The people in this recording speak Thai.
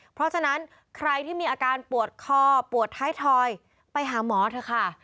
เพราะฉะนั้นใครที่มีอาการปวดคอปวดท้ายทอยไปหาหมอเถอะค่ะ